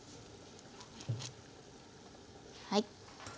はい。